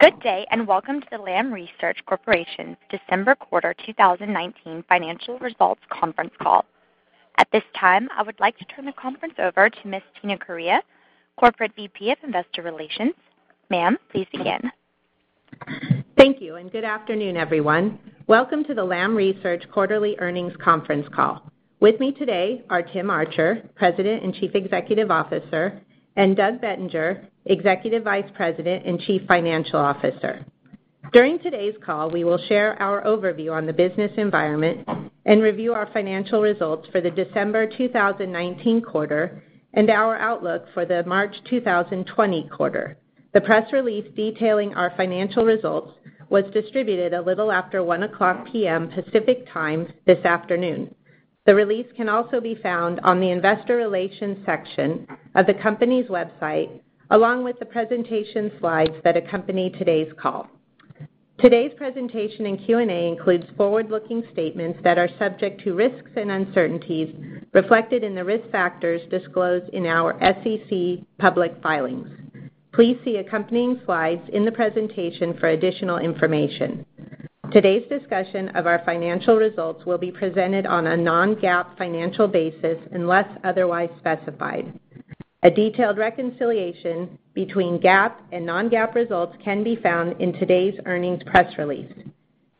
Good day, and welcome to the Lam Research Corporation December quarter 2019 financial results conference call. At this time, I would like to turn the conference over to Ms. Tina Correia, Corporate VP of Investor Relations. Ma'am, please begin. Thank you, and good afternoon, everyone. Welcome to the Lam Research quarterly earnings conference call. With me today are Tim Archer, President and Chief Executive Officer, and Doug Bettinger, Executive Vice President and Chief Financial Officer. During today's call, we will share our overview on the business environment and review our financial results for the December 2019 quarter and our outlook for the March 2020 quarter. The press release detailing our financial results was distributed a little after 1:00 P.M. Pacific Time this afternoon. The release can also be found on the investor relations section of the company's website, along with the presentation slides that accompany today's call. Today's presentation and Q&A includes forward-looking statements that are subject to risks and uncertainties reflected in the risk factors disclosed in our SEC public filings. Please see accompanying slides in the presentation for additional information. Today's discussion of our financial results will be presented on a non-GAAP financial basis unless otherwise specified. A detailed reconciliation between GAAP and non-GAAP results can be found in today's earnings press release.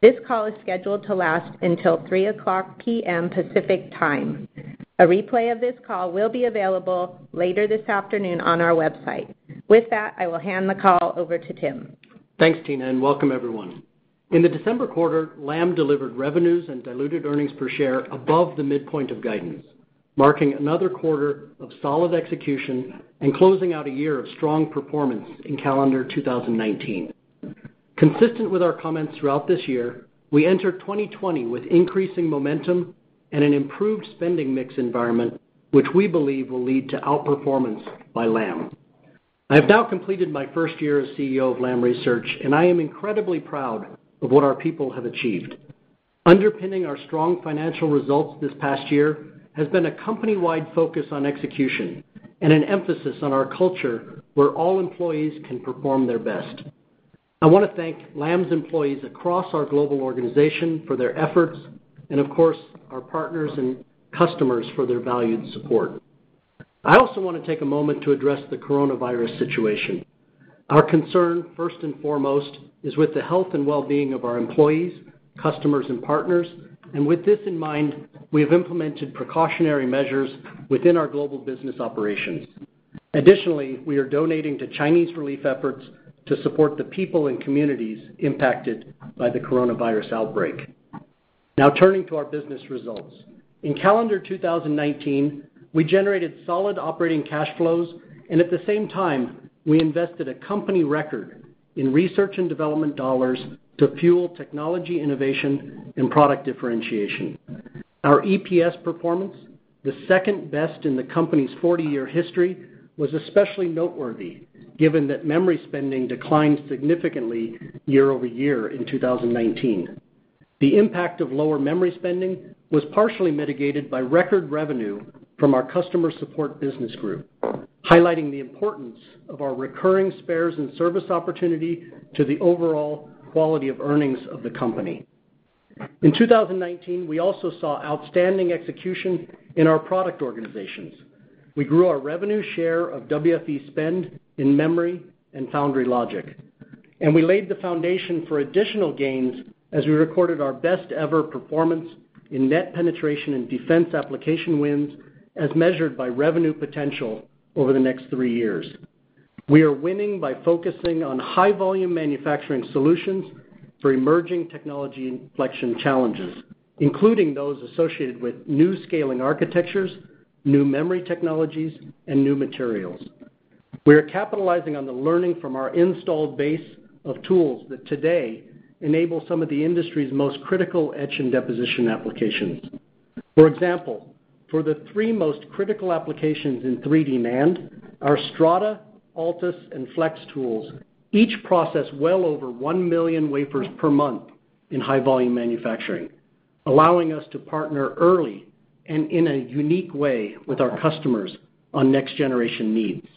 This call is scheduled to last until 3:00 P.M. Pacific Time. A replay of this call will be available later this afternoon on our website. With that, I will hand the call over to Tim. Thanks, Tina, and welcome everyone. In the December quarter, Lam delivered revenues and diluted earnings per share above the midpoint of guidance, marking another quarter of solid execution and closing out a year of strong performance in calendar 2019. Consistent with our comments throughout this year, we enter 2020 with increasing momentum and an improved spending mix environment, which we believe will lead to outperformance by Lam. I have now completed my first year as CEO of Lam Research, and I am incredibly proud of what our people have achieved. Underpinning our strong financial results this past year has been a company-wide focus on execution and an emphasis on our culture where all employees can perform their best. I want to thank Lam's employees across our global organization for their efforts, and of course, our partners and customers for their valued support. I also want to take a moment to address the coronavirus situation. Our concern, first and foremost, is with the health and wellbeing of our employees, customers, and partners. With this in mind, we have implemented precautionary measures within our global business operations. Additionally, we are donating to Chinese relief efforts to support the people and communities impacted by the coronavirus outbreak. Now turning to our business results. In calendar 2019, we generated solid operating cash flows, and at the same time, we invested a company record in research and development dollars to fuel technology innovation and product differentiation. Our EPS performance, the second best in the company's 40-year history, was especially noteworthy given that memory spending declined significantly year-over-year in 2019. The impact of lower memory spending was partially mitigated by record revenue from our customer support business group, highlighting the importance of our recurring spares and service opportunity to the overall quality of earnings of the company. In 2019, we also saw outstanding execution in our product organizations. We grew our revenue share of WFE spend in memory and foundry logic, and we laid the foundation for additional gains as we recorded our best ever performance in net penetration and defense application wins as measured by revenue potential over the next three years. We are winning by focusing on high-volume manufacturing solutions for emerging technology inflection challenges, including those associated with new scaling architectures, new memory technologies, and new materials. We are capitalizing on the learning from our installed base of tools that today enable some of the industry's most critical etch and deposition applications. For example, for the three most critical applications in 3D NAND, our Strata, ALTUS, and Flex tools each process well over 1 million wafers per month in high-volume manufacturing, allowing us to partner early and in a unique way with our customers on next-generation needs.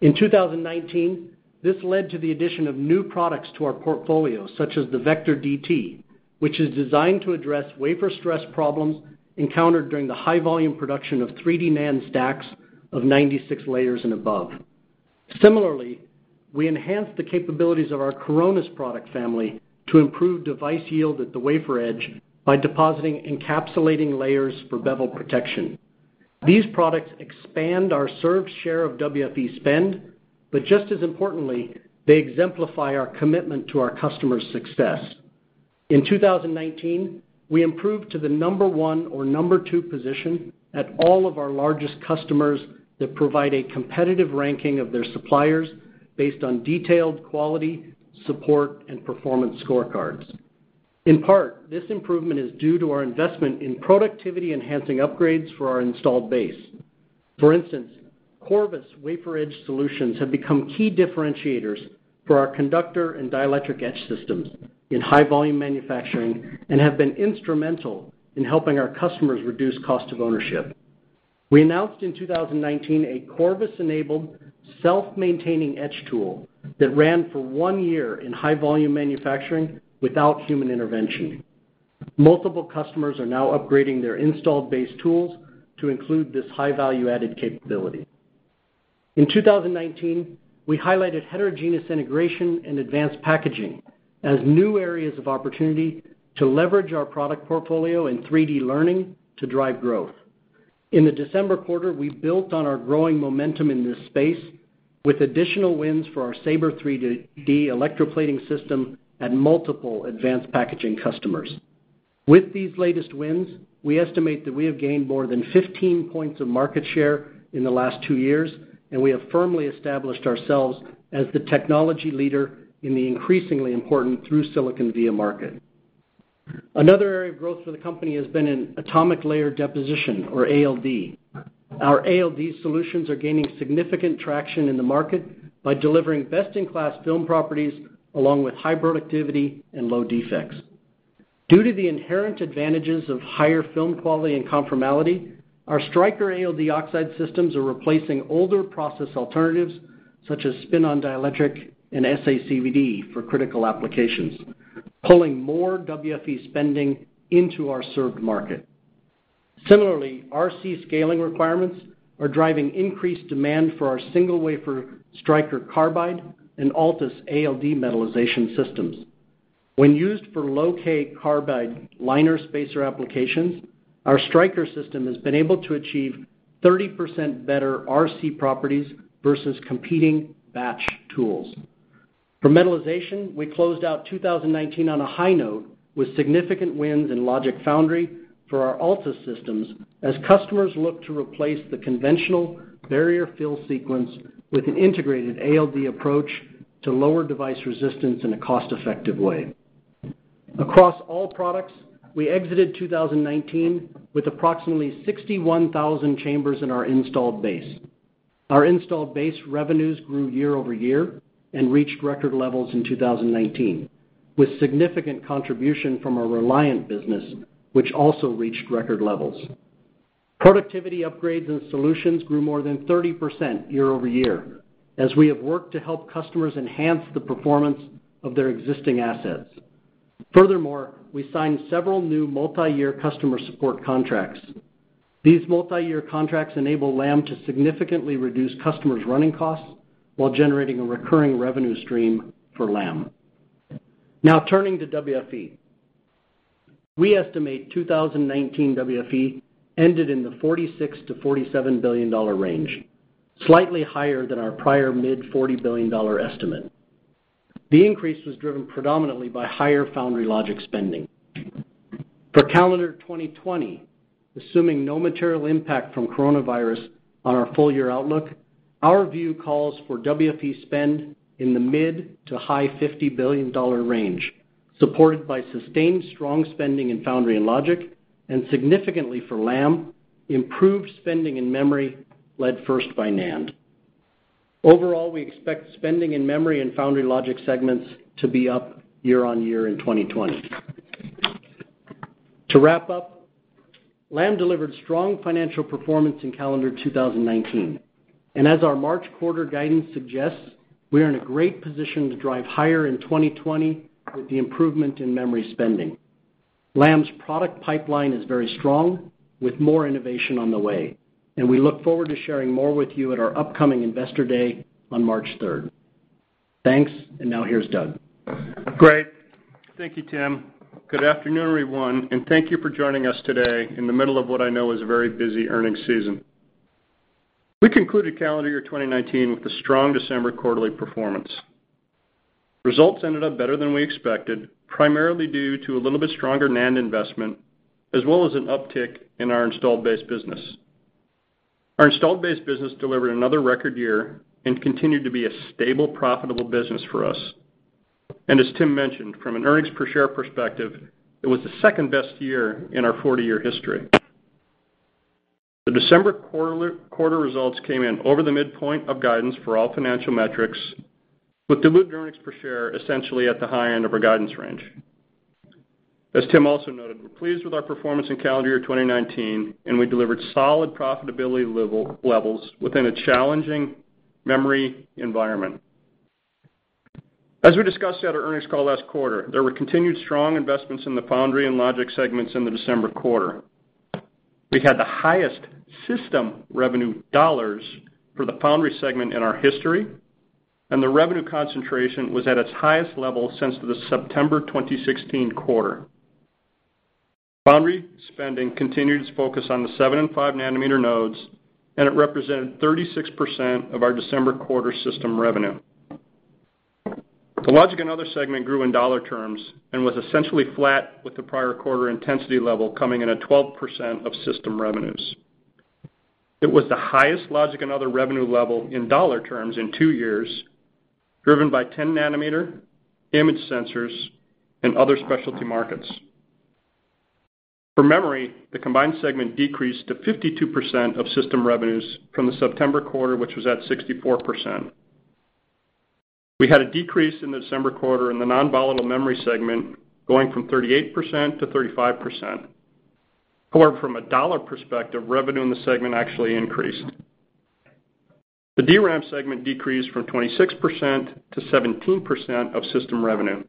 In 2019, this led to the addition of new products to our portfolio, such as the VECTOR DT, which is designed to address wafer stress problems encountered during the high-volume production of 3D NAND stacks of 96 layers and above. Similarly, we enhanced the capabilities of our Coronus product family to improve device yield at the wafer edge by depositing encapsulating layers for bevel protection. These products expand our served share of WFE spend, just as importantly, they exemplify our commitment to our customers' success. In 2019, we improved to the number one or number two position at all of our largest customers that provide a competitive ranking of their suppliers based on detailed quality, support, and performance scorecards. In part, this improvement is due to our investment in productivity-enhancing upgrades for our installed base. For instance, Corvus wafer edge solutions have become key differentiators for our conductor and dielectric etch systems in high-volume manufacturing and have been instrumental in helping our customers reduce cost of ownership. We announced in 2019, a Corvus-enabled self-maintaining etch tool that ran for one year in high-volume manufacturing without human intervention. Multiple customers are now upgrading their installed base tools to include this high value-added capability. In 2019, we highlighted heterogeneous integration and advanced packaging as new areas of opportunity to leverage our product portfolio and 3D learning to drive growth. In the December quarter, we built on our growing momentum in this space with additional wins for our SABRE 3D electroplating system at multiple advanced packaging customers. With these latest wins, we estimate that we have gained more than 15 points of market share in the last two years, and we have firmly established ourselves as the technology leader in the increasingly important through-silicon via market. Another area of growth for the company has been in atomic layer deposition, or ALD. Our ALD solutions are gaining significant traction in the market by delivering best-in-class film properties, along with high productivity and low defects. Due to the inherent advantages of higher film quality and conformality, our Striker ALD oxide systems are replacing older process alternatives, such as spin-on dielectric and SACVD for critical applications, pulling more WFE spending into our served market. Similarly, RC scaling requirements are driving increased demand for our single wafer Striker carbide and ALTUS ALD metallization systems. When used for low-k carbide liner spacer applications, our Striker system has been able to achieve 30% better RC properties versus competing batch tools. For metallization, we closed out 2019 on a high note with significant wins in logic foundry for our ALTUS systems, as customers look to replace the conventional barrier fill sequence with an integrated ALD approach to lower device resistance in a cost-effective way. Across all products, we exited 2019 with approximately 61,000 chambers in our installed base. Our installed base revenues grew year-over-year and reached record levels in 2019, with significant contribution from our Reliant business, which also reached record levels. Productivity upgrades and solutions grew more than 30% year-over-year, as we have worked to help customers enhance the performance of their existing assets. Furthermore, we signed several new multi-year customer support contracts. These multi-year contracts enable Lam to significantly reduce customers' running costs while generating a recurring revenue stream for Lam. Now turning to WFE. We estimate 2019 WFE ended in the $46 billion-$47 billion range, slightly higher than our prior mid-$40 billion estimate. The increase was driven predominantly by higher foundry logic spending. For calendar 2020, assuming no material impact from coronavirus on our full-year outlook, our view calls for WFE spend in the mid to high $50 billion range, supported by sustained strong spending in foundry and logic, and significantly for Lam, improved spending in memory-led first by NAND. Overall, we expect spending in memory and foundry logic segments to be up year-on-year in 2020. To wrap up, Lam delivered strong financial performance in calendar 2019. As our March quarter guidance suggests, we are in a great position to drive higher in 2020 with the improvement in memory spending. Lam's product pipeline is very strong, with more innovation on the way. We look forward to sharing more with you at our upcoming Investor Day on March 3rd. Thanks. Now here's Doug. Great. Thank you, Tim. Good afternoon, everyone, and thank you for joining us today in the middle of what I know is a very busy earnings season. We concluded calendar year 2019 with a strong December quarterly performance. Results ended up better than we expected, primarily due to a little bit stronger NAND investment, as well as an uptick in our installed base business. Our installed base business delivered another record year, and continued to be a stable, profitable business for us. As Tim mentioned, from an earnings per share perspective, it was the second-best year in our 40-year history. The December quarter results came in over the midpoint of guidance for all financial metrics, with diluted earnings per share essentially at the high end of our guidance range. As Tim also noted, we're pleased with our performance in calendar year 2019, and we delivered solid profitability levels within a challenging memory environment. As we discussed at our earnings call last quarter, there were continued strong investments in the foundry and logic segments in the December quarter. We had the highest system revenue dollars for the foundry segment in our history, and the revenue concentration was at its highest level since the September 2016 quarter. Foundry spending continued its focus on the 7 nm and 5 nm nodes, and it represented 36% of our December quarter system revenue. The logic and other segment grew in dollar terms and was essentially flat with the prior quarter intensity level coming in at 12% of system revenues. It was the highest logic and other revenue level in dollar terms in two years, driven by 10 nm image sensors and other specialty markets. For memory, the combined segment decreased to 52% of system revenues from the September quarter, which was at 64%. We had a decrease in the December quarter in the non-volatile memory segment, going from 38% to 35%. However, from a dollar perspective, revenue in the segment actually increased. The DRAM segment decreased from 26% to 17% of system revenue.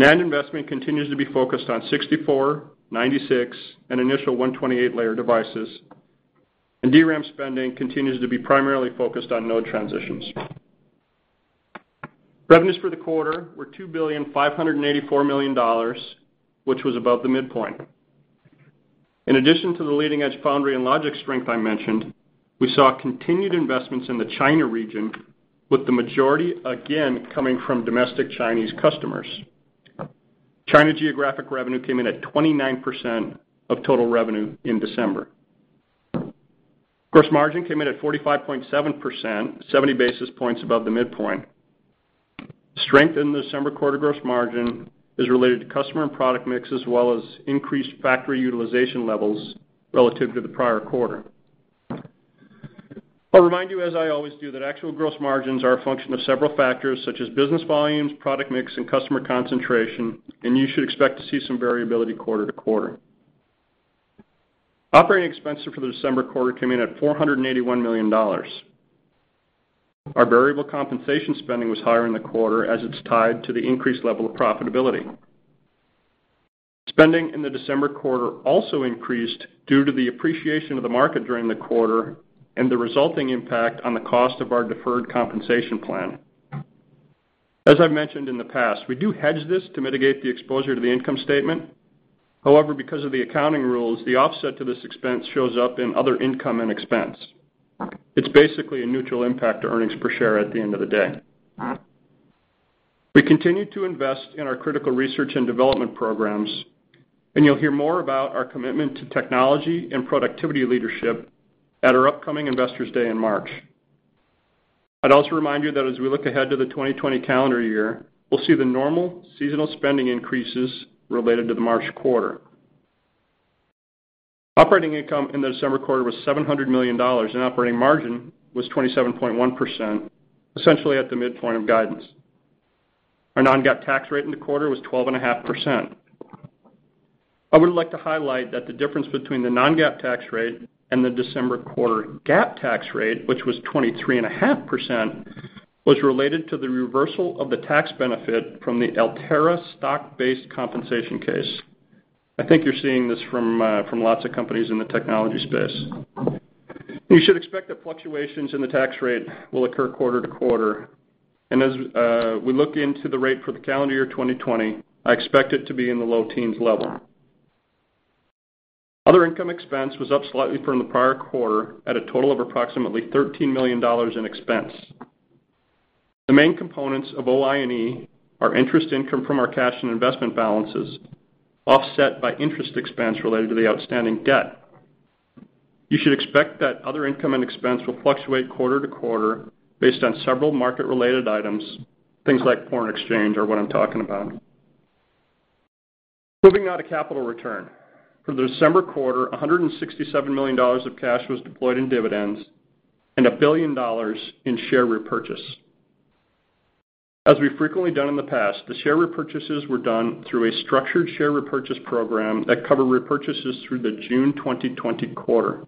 NAND investment continues to be focused on 64, 96, and initial 128-layer devices, and DRAM spending continues to be primarily focused on node transitions. Revenues for the quarter were $2.584 billion, which was above the midpoint. In addition to the leading-edge foundry and logic strength I mentioned, we saw continued investments in the China region, with the majority again coming from domestic Chinese customers. China geographic revenue came in at 29% of total revenue in December. Gross margin came in at 45.7%, 70 basis points above the midpoint. Strength in the December quarter gross margin is related to customer and product mix, as well as increased factory utilization levels relative to the prior quarter. I'll remind you, as I always do, that actual gross margins are a function of several factors such as business volumes, product mix, and customer concentration, and you should expect to see some variability quarter to quarter. Operating expenses for the December quarter came in at $481 million. Our variable compensation spending was higher in the quarter, as it's tied to the increased level of profitability. Spending in the December quarter also increased due to the appreciation of the market during the quarter and the resulting impact on the cost of our deferred compensation plan. As I've mentioned in the past, we do hedge this to mitigate the exposure to the income statement. However, because of the accounting rules, the offset to this expense shows up in other income and expense. It's basically a neutral impact to earnings per share at the end of the day. We continue to invest in our critical research and development programs, and you'll hear more about our commitment to technology and productivity leadership at our upcoming Investors Day in March. I'd also remind you that as we look ahead to the 2020 calendar year, we'll see the normal seasonal spending increases related to the March quarter. Operating income in the December quarter was $700 million, and operating margin was 27.1%, essentially at the midpoint of guidance. Our non-GAAP tax rate in the quarter was 12.5%. I would like to highlight that the difference between the non-GAAP tax rate and the December quarter GAAP tax rate, which was 23.5%, was related to the reversal of the tax benefit from the Altera stock-based compensation case. I think you're seeing this from lots of companies in the technology space. You should expect that fluctuations in the tax rate will occur quarter to quarter, and as we look into the rate for the calendar year 2020, I expect it to be in the low teens level. Other income expense was up slightly from the prior quarter at a total of approximately $13 million in expense. The main components of OI&E are interest income from our cash and investment balances, offset by interest expense related to the outstanding debt. You should expect that other income and expense will fluctuate quarter to quarter based on several market-related items. Things like foreign exchange are what I'm talking about. Moving on to capital return. For the December quarter, $167 million of cash was deployed in dividends and $1 billion in share repurchase. As we've frequently done in the past, the share repurchases were done through a structured share repurchase program that cover repurchases through the June 2020 quarter.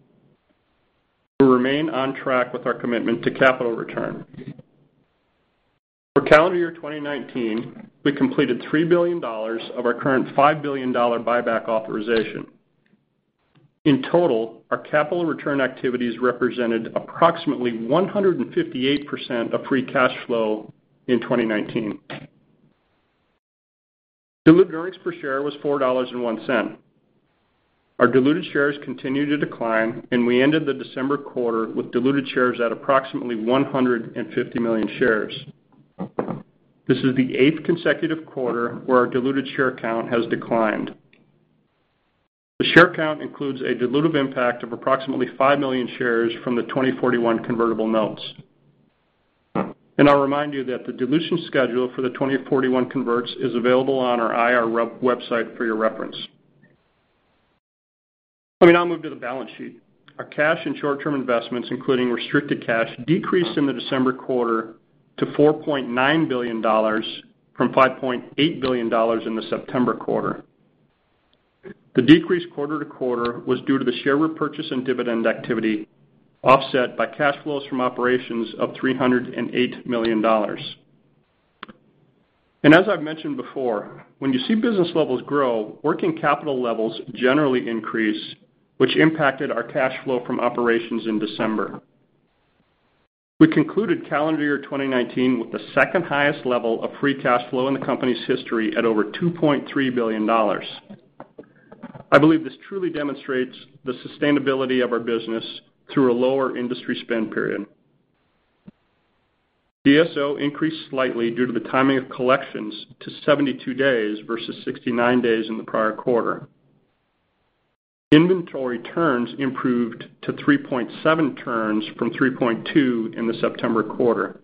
We remain on track with our commitment to capital return. For calendar year 2019, we completed $3 billion of our current $5 billion buyback authorization. In total, our capital return activities represented approximately 158% of free cash flow in 2019. Diluted earnings per share was $4.01. Our diluted shares continue to decline, and we ended the December quarter with diluted shares at approximately 150 million shares. This is the eighth consecutive quarter where our diluted share count has declined. The share count includes a dilutive impact of approximately 5 million shares from the 2041 convertible notes. I'll remind you that the dilution schedule for the 2041 converts is available on our IR website for your reference. Let me now move to the balance sheet. Our cash and short-term investments, including restricted cash, decreased in the December quarter to $4.9 billion from $5.8 billion in the September quarter. The decrease quarter-to-quarter was due to the share repurchase and dividend activity, offset by cash flows from operations of $308 million. As I've mentioned before, when you see business levels grow, working capital levels generally increase, which impacted our cash flow from operations in December. We concluded calendar year 2019 with the second highest level of free cash flow in the company's history at over $2.3 billion. I believe this truly demonstrates the sustainability of our business through a lower industry spend period. DSO increased slightly due to the timing of collections to 72 days versus 69 days in the prior quarter. Inventory turns improved to 3.7 turns from 3.2 in the September quarter.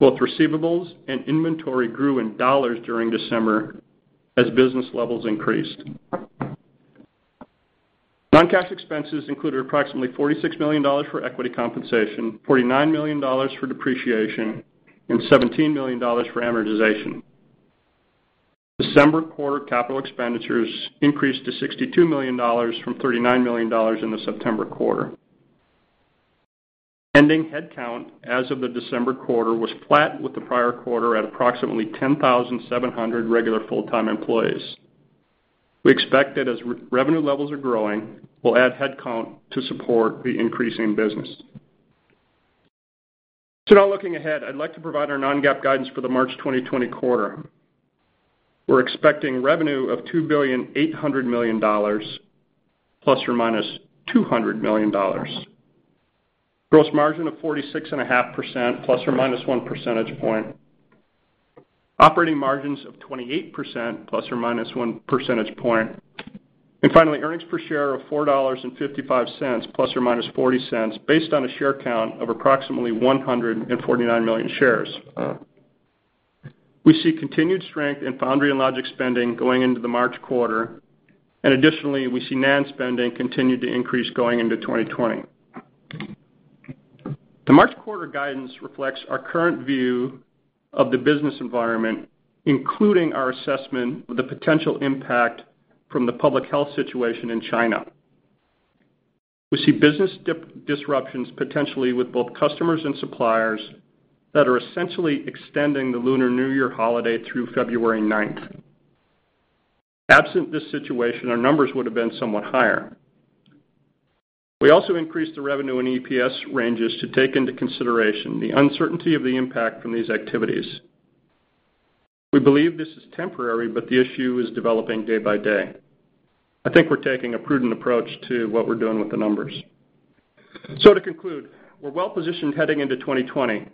Both receivables and inventory grew in dollars during December as business levels increased. Non-cash expenses included approximately $46 million for equity compensation, $49 million for depreciation, and $17 million for amortization. December quarter capital expenditures increased to $62 million from $39 million in the September quarter. Ending headcount as of the December quarter was flat with the prior quarter at approximately 10,700 regular full-time employees. We expect that as revenue levels are growing, we'll add headcount to support the increasing business. Now looking ahead, I'd like to provide our non-GAAP guidance for the March 2020 quarter. We're expecting revenue of $2.8 billion, ±$200 million. Gross margin of 46.5%, ±1 percentage point. Operating margins of 28%, ±1 percentage point. Finally, earnings per share of $4.55, ±$0.40, based on a share count of approximately 149 million shares. We see continued strength in foundry and logic spending going into the March quarter. Additionally, we see NAND spending continue to increase going into 2020. The March quarter guidance reflects our current view of the business environment, including our assessment of the potential impact from the public health situation in China. We see business disruptions potentially with both customers and suppliers that are essentially extending the Lunar New Year holiday through February 9th. Absent this situation, our numbers would have been somewhat higher. We also increased the revenue and EPS ranges to take into consideration the uncertainty of the impact from these activities. We believe this is temporary, but the issue is developing day by day. I think we're taking a prudent approach to what we're doing with the numbers. To conclude, we're well-positioned heading into 2020.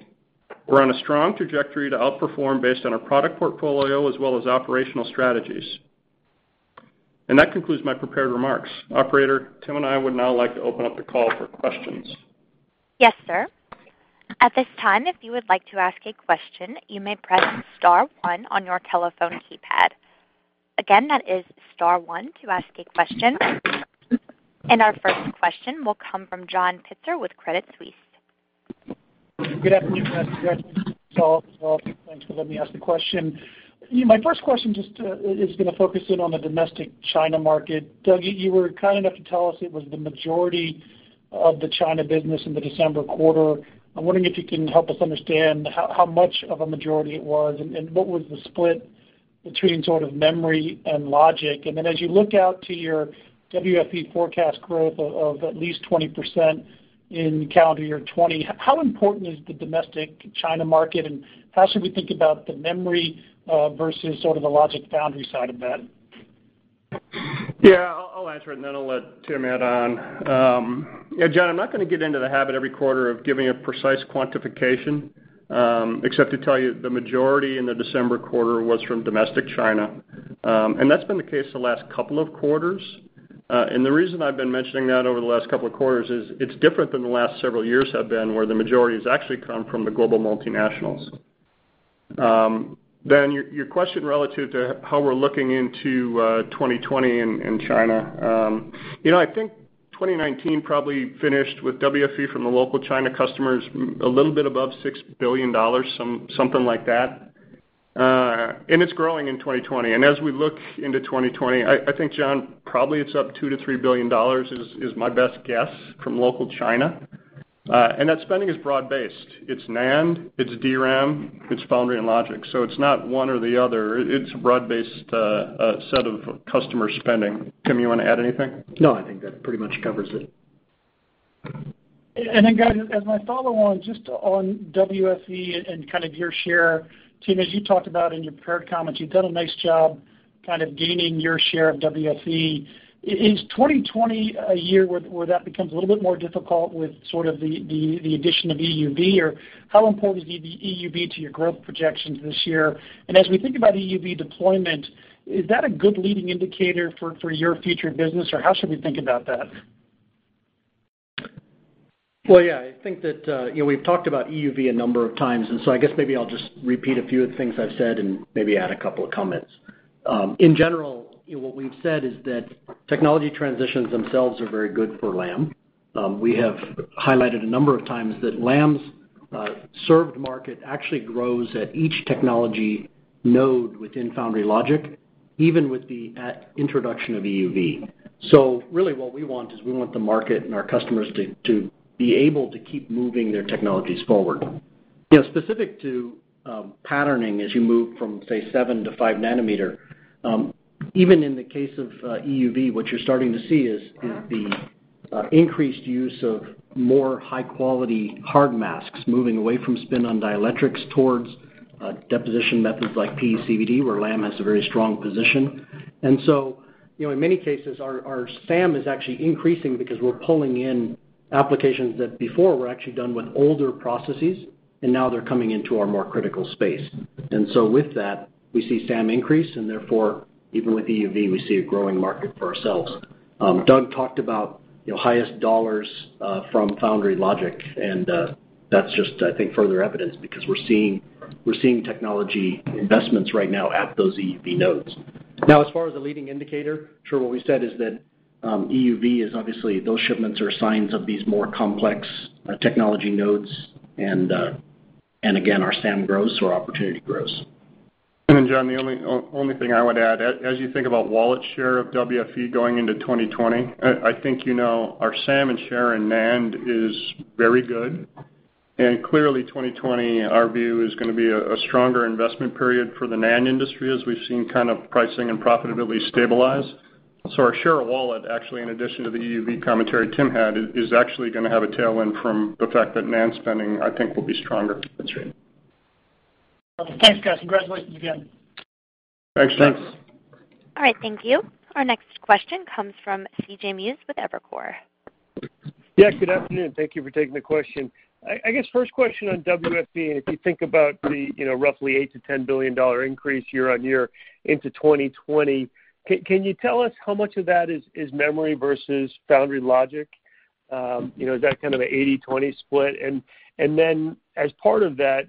We're on a strong trajectory to outperform based on our product portfolio as well as operational strategies. That concludes my prepared remarks. Operator, Tim and I would now like to open up the call for questions. Yes, sir. At this time, if you would like to ask a question, you may press star one on your telephone keypad. Again, that is star one to ask a question. Our first question will come from John Pitzer with Credit Suisse. Good afternoon, guys. Congratulations. Thanks for letting me ask the question. My first question just is going to focus in on the domestic China market. Doug, you were kind enough to tell us it was the majority of the China business in the December quarter. I'm wondering if you can help us understand how much of a majority it was, and what was the split between sort of memory and logic. As you look out to your WFE forecast growth of at least 20% in calendar year 2020, how important is the domestic China market, and how should we think about the memory, versus sort of the logic foundry side of that? Yeah, I'll answer it, and then I'll let Tim add on. John, I'm not going to get into the habit every quarter of giving a precise quantification, except to tell you the majority in the December quarter was from domestic China. That's been the case the last couple of quarters. The reason I've been mentioning that over the last couple of quarters is it's different than the last several years have been, where the majority has actually come from the global multinationals. Then your question relative to how we're looking into 2020 in China. I think 2019 probably finished with WFE from the local China customers, a little bit above $6 billion, something like that. It's growing in 2020. As we look into 2020, I think, John, probably it's up $2 billion-$3 billion, is my best guess from local China. That spending is broad-based. It's NAND, it's DRAM, it's foundry and logic. It's not one or the other. It's a broad-based set of customer spending. Tim, you want to add anything? No, I think that pretty much covers it. Guys, as my follow on, just on WFE and kind of your share. Tim, as you talked about in your prepared comments, you've done a nice job kind of gaining your share of WFE. Is 2020 a year where that becomes a little bit more difficult with sort of the addition of EUV? How important is the EUV to your growth projections this year? As we think about EUV deployment, is that a good leading indicator for your future business, or how should we think about that? Well, yeah, I think that we've talked about EUV a number of times. I guess maybe I'll just repeat a few of the things I've said and maybe add a couple of comments. In general, what we've said is that technology transitions themselves are very good for Lam. We have highlighted a number of times that Lam's served market actually grows at each technology node within foundry logic, even with the introduction of EUV. Really what we want is we want the market and our customers to be able to keep moving their technologies forward. Specific to patterning as you move from, say, 7 nm to 5 nm. Even in the case of EUV, what you're starting to see is the increased use of more high-quality hard masks moving away from spin-on dielectrics towards deposition methods like PECVD, where Lam has a very strong position. In many cases, our SAM is actually increasing because we're pulling in applications that before were actually done with older processes, and now they're coming into our more critical space. With that, we see SAM increase, and therefore, even with EUV, we see a growing market for ourselves. Doug talked about the highest dollars from foundry logic, and that's just, I think, further evidence because we're seeing technology investments right now at those EUV nodes. As far as the leading indicator, sure, what we said is that EUV is obviously those shipments are signs of these more complex technology nodes and again, our SAM grows, our opportunity grows. John, the only thing I would add, as you think about wallet share of WFE going into 2020, I think you know our SAM and share in NAND is very good. Clearly, 2020, our view is going to be a stronger investment period for the NAND industry as we've seen kind of pricing and profitability stabilize. Our share of wallet, actually, in addition to the EUV commentary Tim had, is actually going to have a tailwind from the fact that NAND spending, I think, will be stronger. That's right. Thanks, guys. Congratulations again. Thanks, John. All right, thank you. Our next question comes from C.J. Muse with Evercore. Yeah, good afternoon. Thank you for taking the question. I guess first question on WFE. If you think about the roughly $8 billion-$10 billion increase year-on-year into 2020, can you tell us how much of that is memory versus foundry logic? Is that kind of an 80/20 split? As part of that,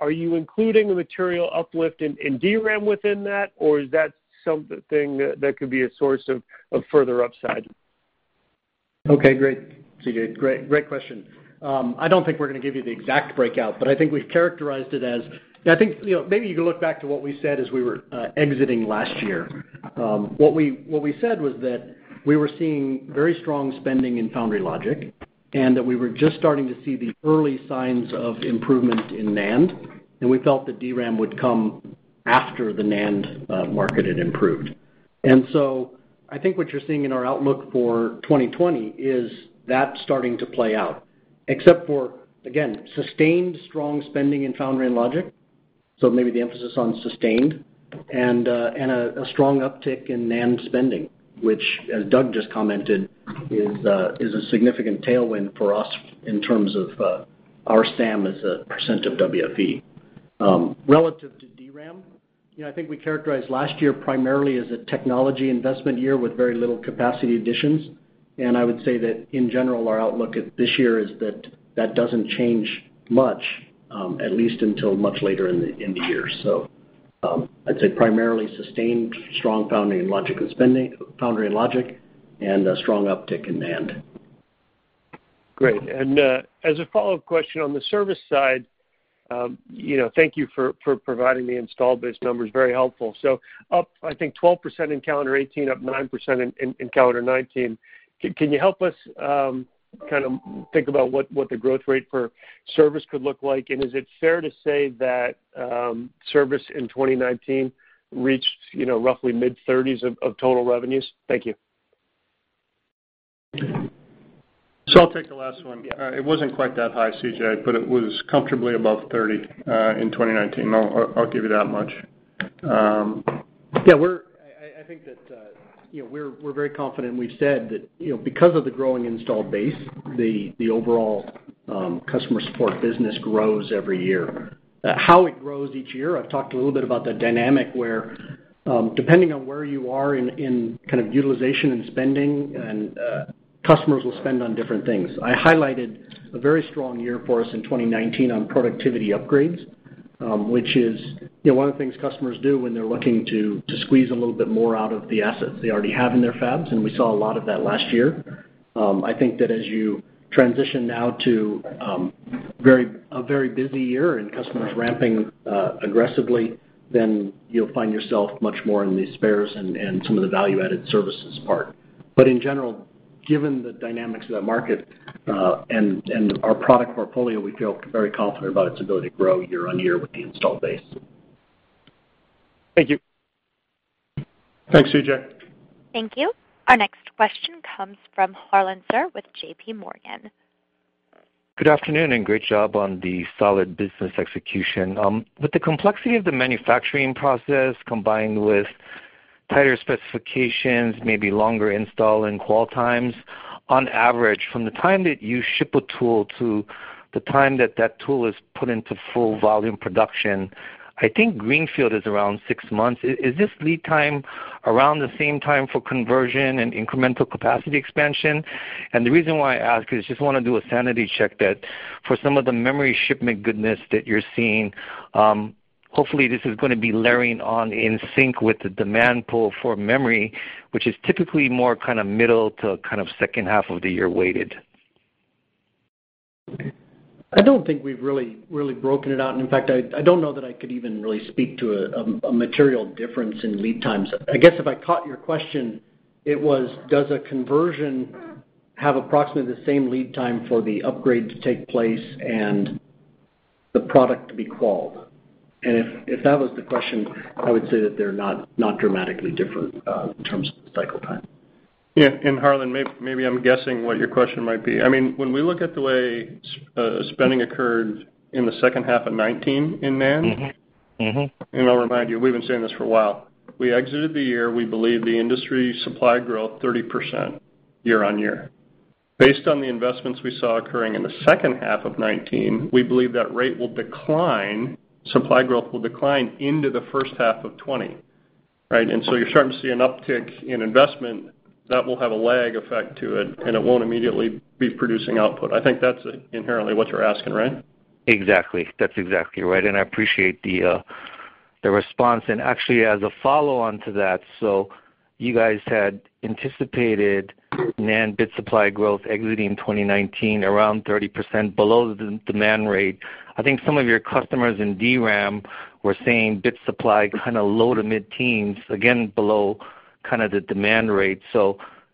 are you including the material uplift in DRAM within that, or is that something that could be a source of further upside? Okay, great, C.J. Great question. I don't think we're going to give you the exact breakout, but I think we've characterized it as. Maybe you can look back to what we said as we were exiting last year. What we said was that we were seeing very strong spending in foundry logic and that we were just starting to see the early signs of improvement in NAND. We felt that DRAM would come after the NAND market had improved. I think what you're seeing in our outlook for 2020 is that starting to play out, except for, again, sustained strong spending in foundry and logic. Maybe the emphasis on sustained and a strong uptick in NAND spending, which, as Doug just commented, is a significant tailwind for us in terms of our SAM as a percent of WFE. Relative to DRAM, I think we characterized last year primarily as a technology investment year with very little capacity additions. I would say that in general, our outlook at this year is that that doesn't change much, at least until much later in the year. I'd say primarily sustained strong foundry and logic spending, and a strong uptick in NAND. Great. As a follow-up question on the service side, thank you for providing the install base numbers, very helpful. Up, I think 12% in calendar 2018, up 9% in calendar 2019. Can you help us kind of think about what the growth rate for service could look like? Is it fair to say that service in 2019 reached roughly mid-30s of total revenues? Thank you. I'll take the last one. It wasn't quite that high, C.J., but it was comfortably above 30% in 2019. I'll give you that much. Yeah, I think that we're very confident, and we've said that because of the growing installed base, the overall customer support business grows every year. How it grows each year, I've talked a little bit about the dynamic where depending on where you are in kind of utilization and spending, and customers will spend on different things. I highlighted a very strong year for us in 2019 on productivity upgrades, which is one of the things customers do when they're looking to squeeze a little bit more out of the assets they already have in their fabs, and we saw a lot of that last year. I think that as you transition now to a very busy year and customers ramping aggressively, then you'll find yourself much more in the spares and some of the value-added services part. In general, given the dynamics of that market, and our product portfolio, we feel very confident about its ability to grow year on year with the installed base. Thank you. Thanks, C.J. Thank you. Our next question comes from Harlan Sur with JPMorgan. Good afternoon, and great job on the solid business execution. With the complexity of the manufacturing process, combined with tighter specifications, maybe longer install and qual times, on average, from the time that you ship a tool to the time that that tool is put into full volume production, I think greenfield is around six months. Is this lead time around the same time for conversion and incremental capacity expansion? The reason why I ask is just want to do a sanity check that for some of the memory shipment goodness that you're seeing, hopefully this is going to be layering on in sync with the demand pull for memory, which is typically more kind of middle to kind of second half of the year weighted. I don't think we've really broken it out. In fact, I don't know that I could even really speak to a material difference in lead times. I guess if I caught your question, it was, does a conversion have approximately the same lead time for the upgrade to take place and the product to be qualled? If that was the question, I would say that they're not dramatically different, in terms of cycle time. Yeah. Harlan, maybe I'm guessing what your question might be. When we look at the way spending occurred in the second half of 2019 in NAND. I'll remind you, we've been saying this for a while. We exited the year, we believe the industry supply grew 30% year-on-year. Based on the investments we saw occurring in the second half of 2019, we believe that rate will decline, supply growth will decline into the first half of 2020, right? You're starting to see an uptick in investment. That will have a lag effect to it, and it won't immediately be producing output. I think that's inherently what you're asking, right? Exactly. That's exactly right, and I appreciate the response. Actually, as a follow-on to that, you guys had anticipated NAND bit supply growth exiting 2019 around 30% below the demand rate. I think some of your customers in DRAM were saying bit supply kind of low to mid-teens, again, below the demand rate.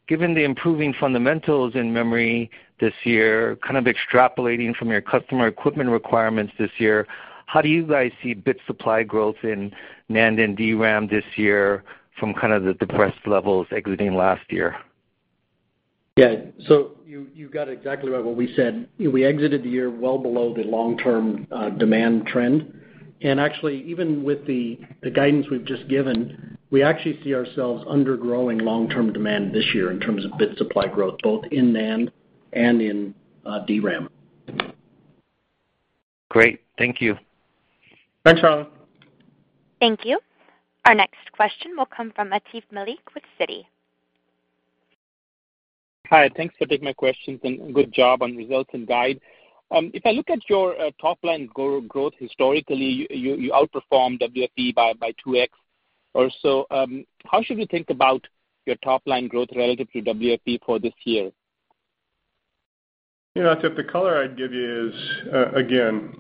Given the improving fundamentals in memory this year, extrapolating from your customer equipment requirements this year, how do you guys see bit supply growth in NAND and DRAM this year from the depressed levels exiting last year? You got exactly right what we said. We exited the year well below the long-term demand trend. Actually, even with the guidance we've just given, we actually see ourselves under-growing long-term demand this year in terms of bit supply growth, both in NAND and in DRAM. Great. Thank you. Thanks, Harlan. Thank you. Our next question will come from Atif Malik with Citi. Hi. Thanks for taking my questions, and good job on results and guide. If I look at your top-line growth historically, you outperformed WFE by 2x or so. How should we think about your top-line growth relative to WFE for this year? Atif, the color I'd give you is, again,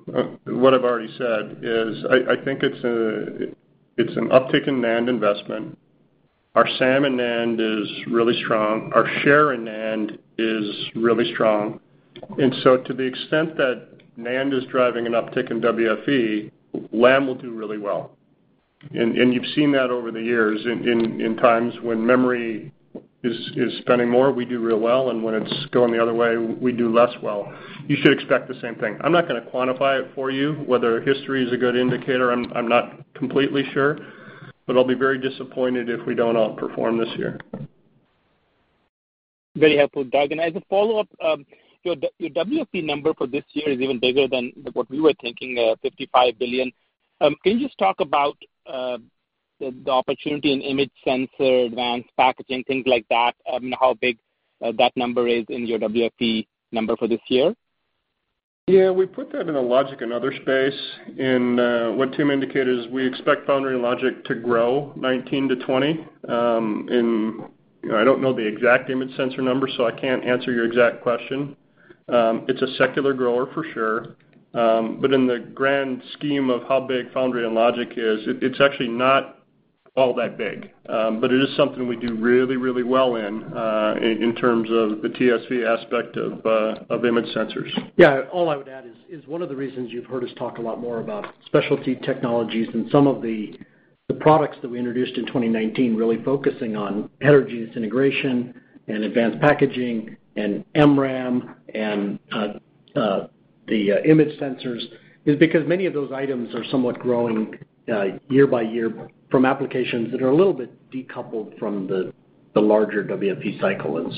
what I've already said is, I think it's an uptick in NAND investment. Our SAM in NAND is really strong. Our share in NAND is really strong. To the extent that NAND is driving an uptick in WFE, Lam will do really well. You've seen that over the years in times when memory is spending more, we do real well, and when it's going the other way, we do less well. You should expect the same thing. I'm not going to quantify it for you, whether history is a good indicator, I'm not completely sure, but I'll be very disappointed if we don't outperform this year. Very helpful, Doug. As a follow-up, your WFE number for this year is even bigger than what we were thinking, $55 billion. Can you just talk about the opportunity in image sensor, advanced packaging, things like that, and how big that number is in your WFE number for this year? Yeah. We put that in a logic and other space. What Tim indicated is we expect foundry and logic to grow 2019-2020. I don't know the exact image sensor number, so I can't answer your exact question. It's a secular grower for sure. In the grand scheme of how big foundry and logic is, it's actually not all that big. It is something we do really, really well in terms of the TSV aspect of image sensors. All I would add is one of the reasons you've heard us talk a lot more about specialty technologies and some of the products that we introduced in 2019 really focusing on heterogeneous integration and advanced packaging and MRAM and the image sensors is because many of those items are somewhat growing year by year from applications that are a little bit decoupled from the larger WFE cycle.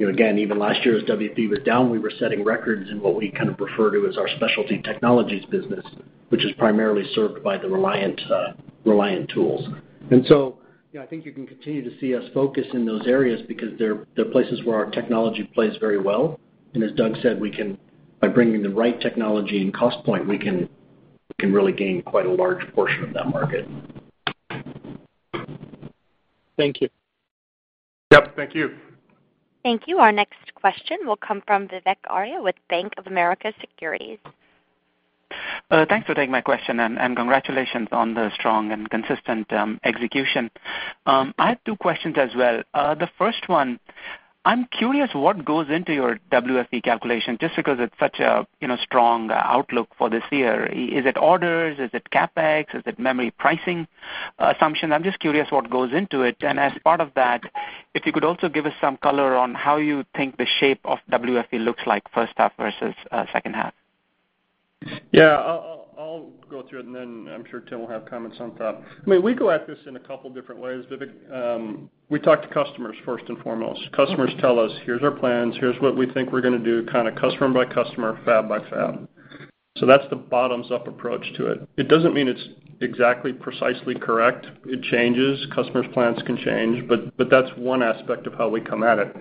Again, even last year as WFE was down, we were setting records in what we kind of refer to as our specialty technologies business, which is primarily served by the Reliant tools. I think you can continue to see us focus in those areas because they're places where our technology plays very well. As Doug said, by bringing the right technology and cost point, we can really gain quite a large portion of that market. Thank you. Yep, thank you. Thank you. Our next question will come from Vivek Arya with Bank of America Securities. Thanks for taking my question. Congratulations on the strong and consistent execution. I have two questions as well. The first one, I am curious what goes into your WFE calculation, just because it is such a strong outlook for this year. Is it orders? Is it CapEx? Is it memory pricing assumption? I am just curious what goes into it. As part of that, if you could also give us some color on how you think the shape of WFE looks like first half versus second half. I'll go through it, then I'm sure Tim will have comments on top. We go at this in a couple different ways, Vivek. We talk to customers first and foremost. Customers tell us, "Here's our plans. Here's what we think we're going to do," kind of customer by customer, fab by fab. That's the bottoms-up approach to it. It doesn't mean it's exactly precisely correct. It changes. Customers' plans can change, but that's one aspect of how we come at it.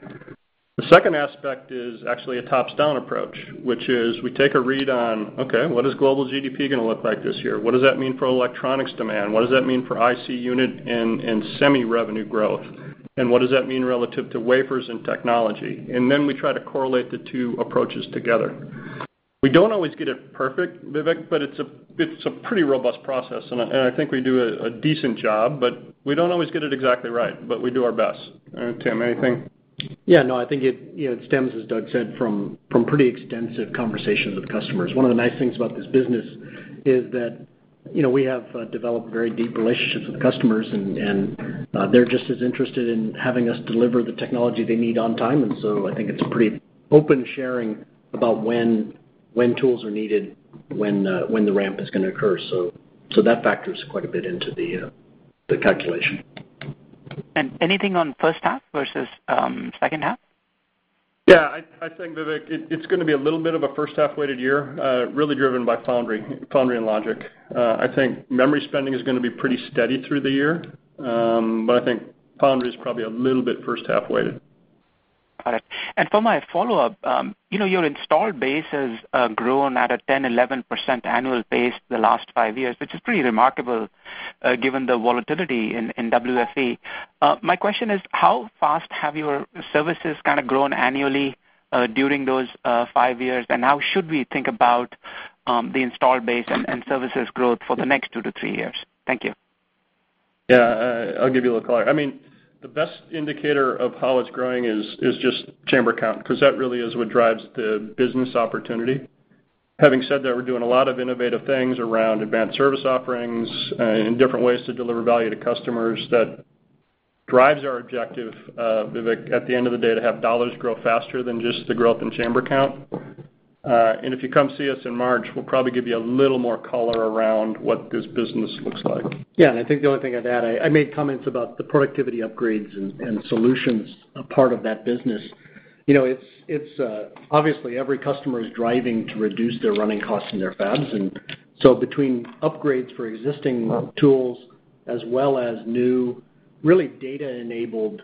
The second aspect is actually a tops-down approach, which is we take a read on, okay, what is global GDP going to look like this year? What does that mean for electronics demand? What does that mean for IC unit and semi revenue growth? What does that mean relative to wafers and technology? Then we try to correlate the two approaches together. We don't always get it perfect, Vivek, but it's a pretty robust process, and I think we do a decent job, but we don't always get it exactly right, but we do our best. Tim, anything? Yeah. No, I think it stems, as Doug said, from pretty extensive conversations with customers. One of the nice things about this business is that we have developed very deep relationships with customers, and they're just as interested in having us deliver the technology they need on time. I think it's pretty open sharing about when tools are needed, when the ramp is going to occur. That factors quite a bit into the calculation. Anything on first half versus second half? Yeah, I think, Vivek, it's going to be a little bit of a first half-weighted year, really driven by foundry and logic. I think memory spending is going to be pretty steady through the year, but I think foundry is probably a little bit first half-weighted. For my follow-up, your installed base has grown at a 10%, 11% annual pace the last five years, which is pretty remarkable given the volatility in WFE. My question is, how fast have your services kind of grown annually, during those five years? And how should we think about the installed base and services growth for the next two to three years? Thank you. Yeah. I'll give you a little color. The best indicator of how it's growing is just chamber count, because that really is what drives the business opportunity. Having said that, we're doing a lot of innovative things around advanced service offerings and different ways to deliver value to customers that drives our objective, Vivek, at the end of the day, to have dollars grow faster than just the growth in chamber count. If you come see us in March, we'll probably give you a little more color around what this business looks like. I think the only thing I'd add, I made comments about the productivity upgrades and solutions part of that business. Obviously, every customer is driving to reduce their running costs in their fabs. Between upgrades for existing tools as well as new really data-enabled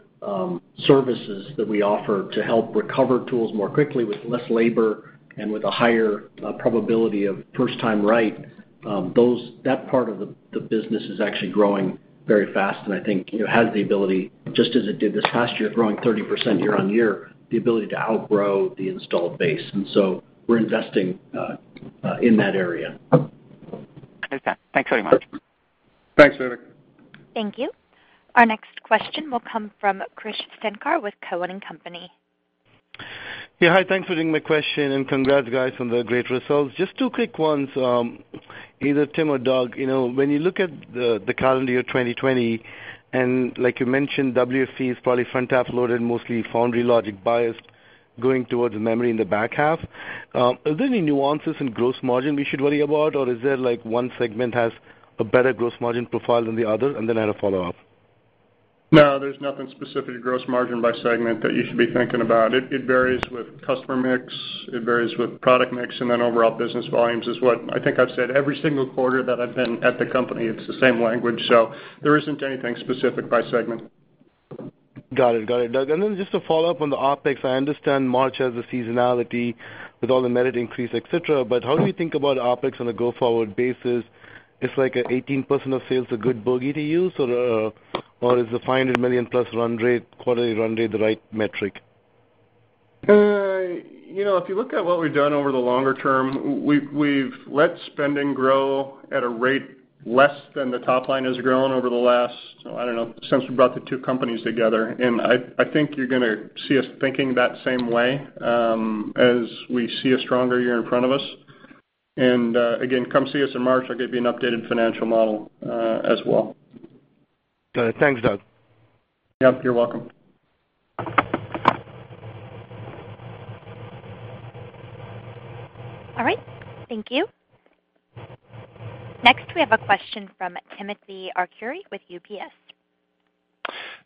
services that we offer to help recover tools more quickly with less labor and with a higher probability of first time right, that part of the business is actually growing very fast, and I think it has the ability, just as it did this past year, growing 30% year-on-year, the ability to outgrow the installed base. We're investing in that area. Okay. Thanks very much. Thanks, Vivek. Thank you. Our next question will come from Krish Sankar with Cowen & Company. Yeah. Hi, thanks for taking my question, and congrats guys on the great results. Just two quick ones. Either Tim or Doug, when you look at the calendar year 2020, like you mentioned, WFE is probably front-half loaded, mostly foundry logic biased going towards memory in the back half. Are there any nuances in gross margin we should worry about, or is there one segment has a better gross margin profile than the other? Then I had a follow-up. No, there's nothing specific to gross margin by segment that you should be thinking about. It varies with customer mix, it varies with product mix, and then overall business volumes is what, I think I've said every single quarter that I've been at the company, it's the same language. There isn't anything specific by segment. Got it, Doug. Just to follow up on the OpEx, I understand March has a seasonality with all the merit increase, et cetera. How do we think about OpEx on a go-forward basis? Is like an 18% of sales a good bogey to use? Is the $500+ million run rate, quarterly run rate, the right metric? If you look at what we've done over the longer term, we've let spending grow at a rate less than the top line has grown over the last, I don't know, since we brought the two companies together. I think you're going to see us thinking that same way, as we see a stronger year in front of us. Again, come see us in March, I'll give you an updated financial model as well. Got it. Thanks, Doug. Yep, you're welcome. All right. Thank you. Next, we have a question from Timothy Arcuri with UBS.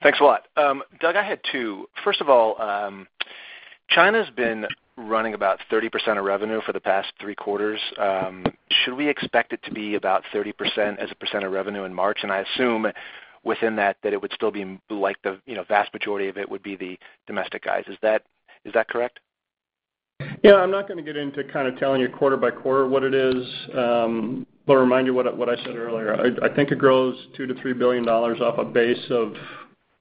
Thanks a lot. Doug, I had two. First of all, China's been running about 30% of revenue for the past three quarters. Should we expect it to be about 30% as a percent of revenue in March? I assume within that it would still be like the vast majority of it would be the domestic guys. Is that correct? Yeah. I'm not going to get into kind of telling you quarter by quarter what it is. Remind you what I said earlier, I think it grows $2 billion-$3 billion off a base of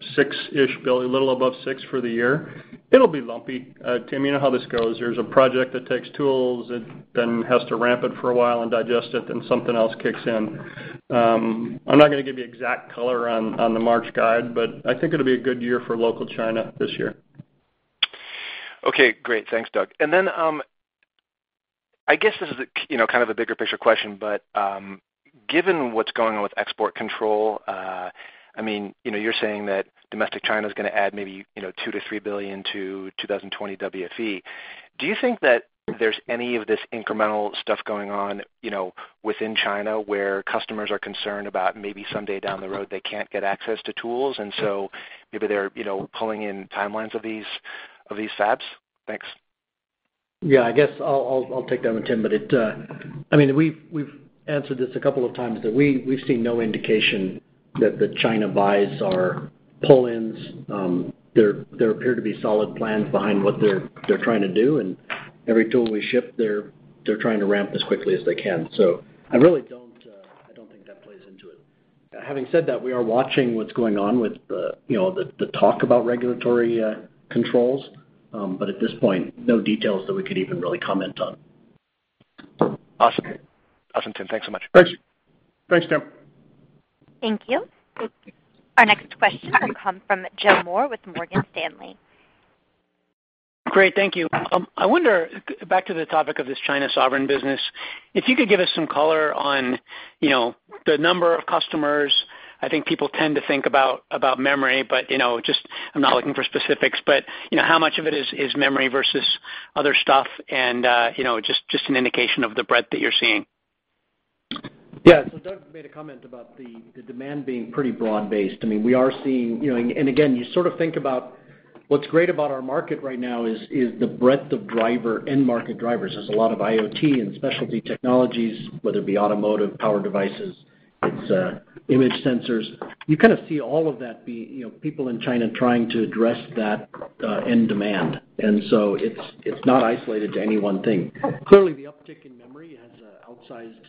$6 billion-ish, a little above $6 billion for the year. It'll be lumpy. Tim, you know how this goes. There's a project that takes tools, it then has to ramp it for a while and digest it, then something else kicks in. I'm not going to give you exact color on the March guide, but I think it'll be a good year for local China this year. Okay, great. Thanks, Doug. I guess this is kind of a bigger picture question, but, given what's going on with export control, you're saying that domestic China is going to add maybe $2 billion-$3 billion to 2020 WFE. Do you think that there's any of this incremental stuff going on within China where customers are concerned about maybe someday down the road they can't get access to tools and so maybe they're pulling in timelines of these fabs? Thanks. Yeah, I guess I'll take that one, Tim, but we've answered this a couple of times, that we've seen no indication that the China buys are pull-ins. There appear to be solid plans behind what they're trying to do, and every tool we ship, they're trying to ramp as quickly as they can. I really don't think that plays into it. Having said that, we are watching what's going on with the talk about regulatory controls. At this point, no details that we could even really comment on. Awesome. Tim, thanks so much. Thanks. Thanks, Tim. Thank you. Our next question will come from Joe Moore with Morgan Stanley. Great. Thank you. I wonder, back to the topic of this China sovereign business, if you could give us some color on the number of customers, I think people tend to think about memory, but just, I'm not looking for specifics, but how much of it is memory versus other stuff and just an indication of the breadth that you're seeing? Yeah. Doug made a comment about the demand being pretty broad-based. Again, you sort of think about what's great about our market right now is the breadth of end market drivers. There's a lot of IoT and specialty technologies, whether it be automotive, power devices, it's image sensors. You kind of see all of that, people in China trying to address that end demand. It's not isolated to any one thing. Clearly, the uptick in memory has an outsized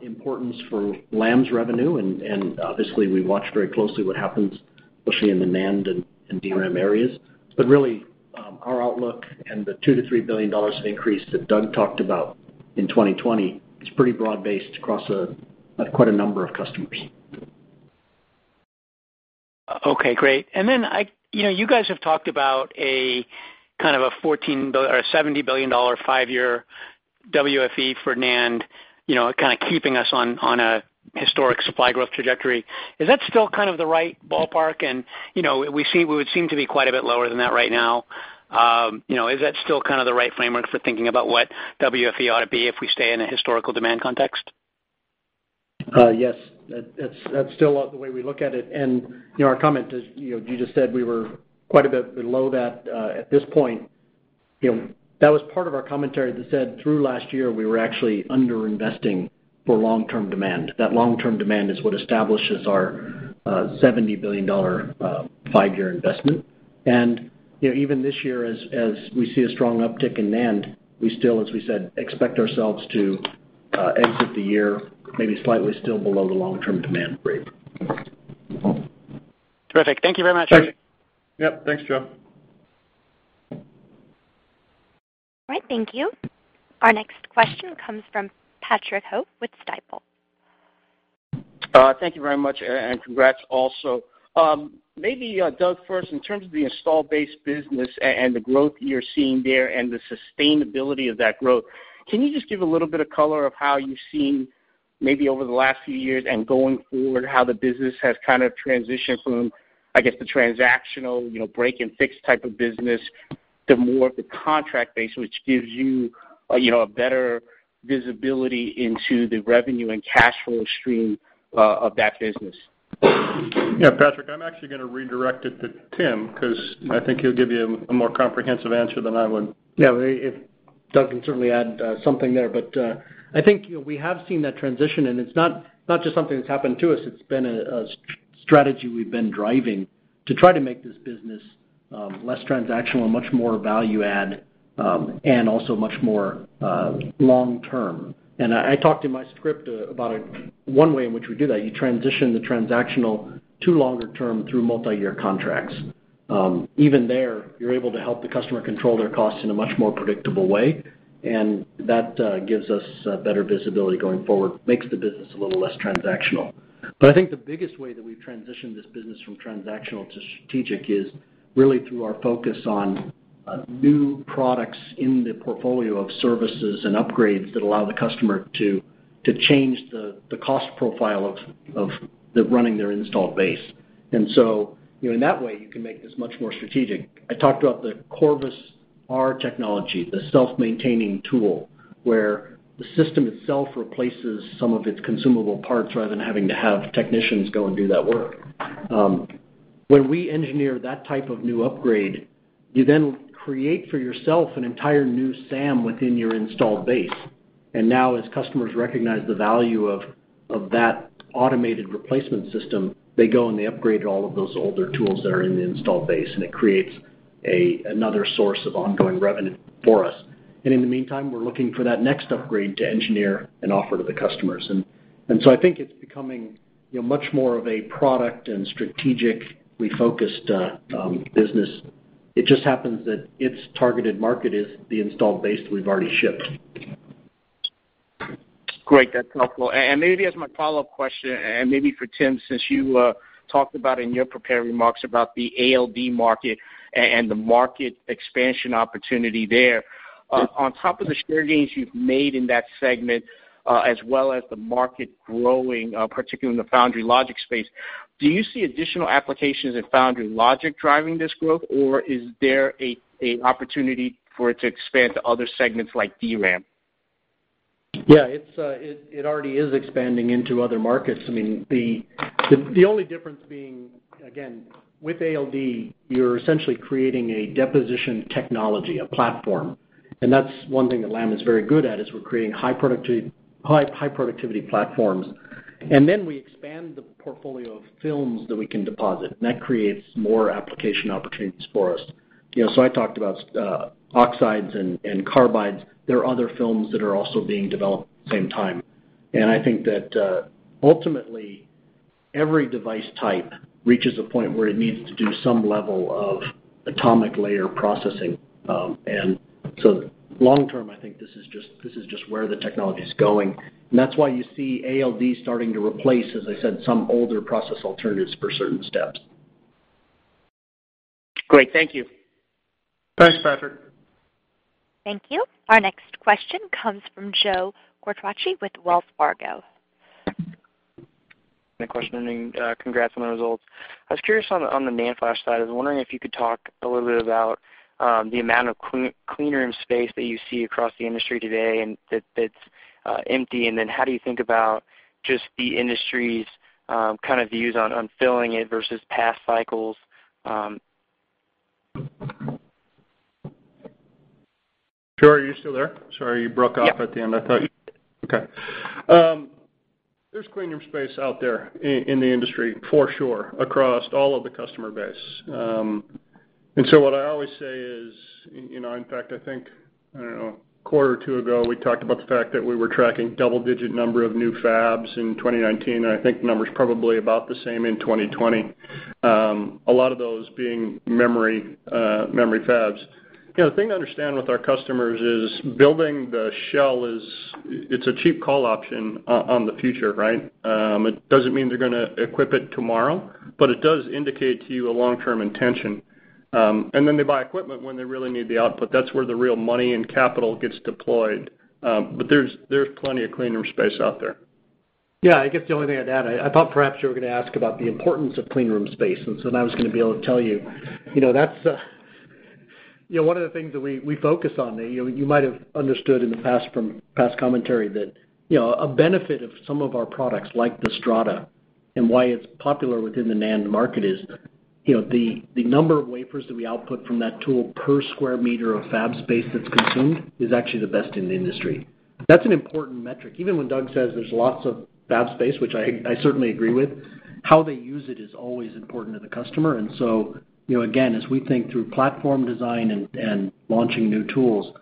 importance for Lam's revenue, and obviously we watch very closely what happens, especially in the NAND and DRAM areas. Really, our outlook and the $2 billion-$3 billion of increase that Doug talked about in 2020 is pretty broad-based across quite a number of customers. Okay, great. You guys have talked about a kind of a $70 billion five-year WFE for NAND, kind of keeping us on a historic supply growth trajectory. Is that still kind of the right ballpark? We would seem to be quite a bit lower than that right now. Is that still kind of the right framework for thinking about what WFE ought to be if we stay in a historical demand context? Yes. That's still the way we look at it. Our comment is, you just said we were quite a bit below that at this point. That was part of our commentary that said through last year, we were actually under-investing for long-term demand. That long-term demand is what establishes our $70 billion five-year investment. Even this year, as we see a strong uptick in NAND, we still, as we said, expect ourselves to exit the year maybe slightly still below the long-term demand rate. Terrific. Thank you very much. Yep. Thanks, Joe. All right. Thank you. Our next question comes from Patrick Ho with Stifel. Thank you very much. Congrats also. Maybe Doug first, in terms of the install-based business and the growth you're seeing there and the sustainability of that growth, can you just give a little bit of color of how you've seen, maybe over the last few years and going forward, how the business has kind of transitioned from, I guess, the transactional break-and-fix type of business to more of the contract base, which gives you a better visibility into the revenue and cash flow stream of that business? Yeah, Patrick, I'm actually going to redirect it to Tim, because I think he'll give you a more comprehensive answer than I would. Yeah. Doug can certainly add something there, but I think we have seen that transition, and it's not just something that's happened to us, it's been a strategy we've been driving to try to make this business less transactional, much more value add, and also much more long-term. I talked in my script about one way in which we do that, you transition the transactional to longer term through multi-year contracts. Even there, you're able to help the customer control their costs in a much more predictable way, and that gives us better visibility going forward, makes the business a little less transactional. I think the biggest way that we've transitioned this business from transactional to strategic is really through our focus on new products in the portfolio of services and upgrades that allow the customer to change the cost profile of running their installed base. In that way, you can make this much more strategic. I talked about the Corvus R technology, the self-maintaining tool, where the system itself replaces some of its consumable parts rather than having to have technicians go and do that work. When we engineer that type of new upgrade, you then create for yourself an entire new SAM within your installed base. Now as customers recognize the value of that automated replacement system, they go and they upgrade all of those older tools that are in the installed base, and it creates another source of ongoing revenue for us. In the meantime, we're looking for that next upgrade to engineer and offer to the customers. I think it's becoming much more of a product and strategically focused business. It just happens that its targeted market is the installed base that we've already shipped. Great. That's helpful. Maybe as my follow-up question, and maybe for Tim, since you talked about in your prepared remarks about the ALD market and the market expansion opportunity there. On top of the share gains you've made in that segment, as well as the market growing, particularly in the foundry logic space, do you see additional applications in foundry logic driving this growth, or is there an opportunity for it to expand to other segments like DRAM? It already is expanding into other markets. The only difference being, again, with ALD, you're essentially creating a deposition technology, a platform. That's one thing that Lam is very good at, is we're creating high productivity platforms. We expand the portfolio of films that we can deposit, and that creates more application opportunities for us. I talked about oxides and carbides. There are other films that are also being developed at the same time. I think that ultimately, every device type reaches a point where it needs to do some level of atomic layer processing. Long-term, I think this is just where the technology is going. That's why you see ALD starting to replace, as I said, some older process alternatives for certain steps. Great. Thank you. Thanks, Patrick. Thank you. Our next question comes from Joe Quatrochi with Wells Fargo. My question, congrats on the results. I was curious on the NAND flash side, I was wondering if you could talk a little bit about the amount of clean room space that you see across the industry today, and that's empty, and then how do you think about just the industry's kind of views on filling it versus past cycles? Joe, are you still there? Sorry, you broke off at the end. Yeah. Okay. There's clean room space out there in the industry, for sure, across all of the customer base. What I always say is, in fact, a quarter or two ago, we talked about the fact that we were tracking double-digit number of new fabs in 2019, and I think the number's probably about the same in 2020. A lot of those being memory fabs. The thing to understand with our customers is building the shell is, it's a cheap call option on the future, right? It doesn't mean they're going to equip it tomorrow, but it does indicate to you a long-term intention. They buy equipment when they really need the output. That's where the real money and capital gets deployed. There's plenty of clean room space out there. I guess the only thing I'd add, I thought perhaps you were going to ask about the importance of clean room space. I was going to be able to tell you one of the things that we focus on, you might have understood in the past from past commentary that a benefit of some of our products, like the Strata, and why it's popular within the NAND market is the number of wafers that we output from that tool per square meter of fab space that's consumed is actually the best in the industry. That's an important metric, even when Doug says there's lots of fab space, which I certainly agree with, how they use it is always important to the customer. Again, as we think through platform design and launching new tools,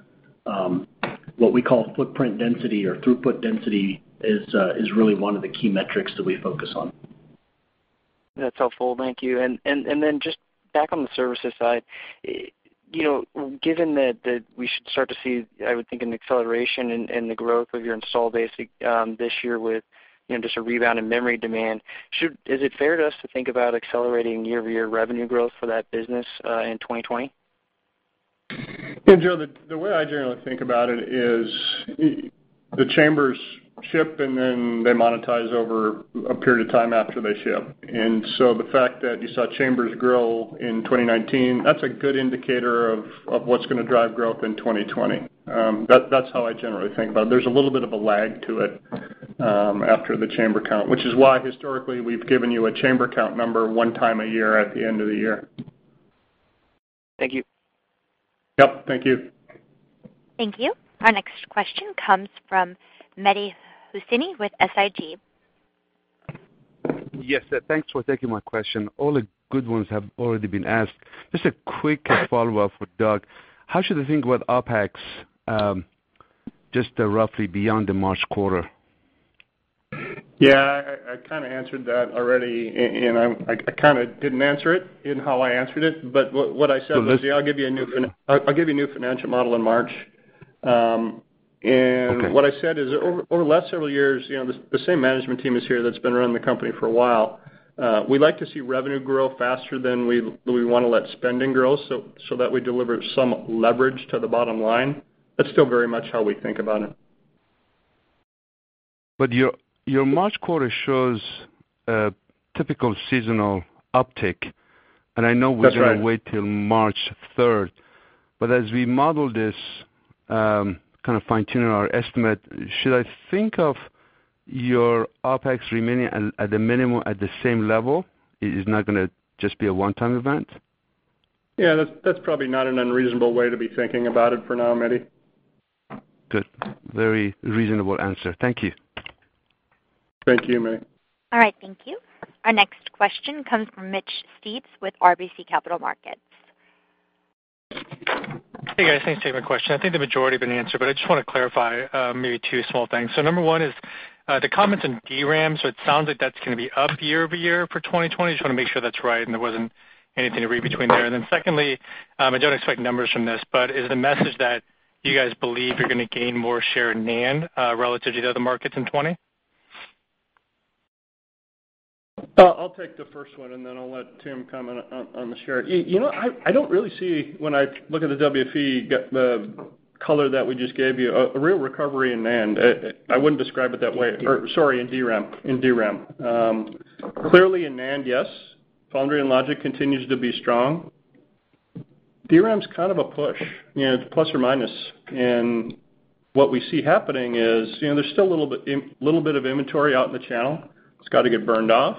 what we call footprint density or throughput density is really one of the key metrics that we focus on. That's helpful. Thank you. Just back on the services side, given that we should start to see, I would think, an acceleration in the growth of your install base this year with just a rebound in memory demand, is it fair to us to think about accelerating year-over-year revenue growth for that business in 2020? Yeah, Joe, the way I generally think about it is the chambers ship, and then they monetize over a period of time after they ship. The fact that you saw chambers grow in 2019, that's a good indicator of what's going to drive growth in 2020. That's how I generally think about it. There's a little bit of a lag to it after the chamber count, which is why historically we've given you a chamber count number one time a year at the end of the year. Thank you. Yep, thank you. Thank you. Our next question comes from Mehdi Hosseini with SIG. Thanks for taking my question. All the good ones have already been asked. Just a quick follow-up with Doug. How should I think about OpEx, just roughly beyond the March quarter? Yeah, I kind of answered that already, and I kind of didn't answer it in how I answered it, but what I said was, I'll give you a new financial model in March. Okay. What I said is, over the last several years, the same management team is here that's been around the company for a while. We like to see revenue grow faster than we want to let spending grow, so that we deliver some leverage to the bottom line. That's still very much how we think about it. Your March quarter shows a typical seasonal uptick, and I know we- That's right. gonna wait till March 3rd, but as we model this, kind of fine-tune our estimate, should I think of your OpEx remaining at the minimum at the same level? It is not gonna just be a one-time event? Yeah, that's probably not an unreasonable way to be thinking about it for now, Mehdi. Good. Very reasonable answer. Thank you. Thank you, Mehdi. All right, thank you. Our next question comes from Mitch Steves with RBC Capital Markets. Hey, guys, thanks for taking my question. I think the majority have been answered, but I just want to clarify maybe two small things. Number one is the comments on DRAM. It sounds like that's going to be up year-over-year for 2020. Just want to make sure that's right and there wasn't anything to read between there. Secondly, I don't expect numbers from this, but is the message that you guys believe you're going to gain more share in NAND relative to the other markets in 2020? I'll take the first one, and then I'll let Tim comment on the share. I don't really see, when I look at the WFE, the color that we just gave you, a real recovery in NAND. I wouldn't describe it that way. Sorry, in DRAM. Clearly in NAND, yes. Foundry and logic continues to be strong. DRAM's kind of a push. It's plus or minus. What we see happening is there's still a little bit of inventory out in the channel. It's got to get burned off.